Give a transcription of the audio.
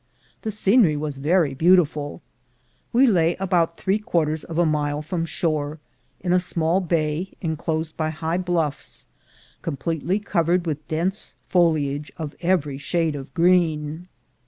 The scenery was very beautiful. We lay about three quarters of a mile from shore, in a small bay enclosed by high bluffs, completely covered with dense foliage of every shade of green.